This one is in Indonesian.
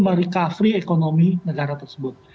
merecovery ekonomi negara tersebut